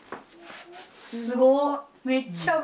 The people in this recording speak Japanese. すごっ！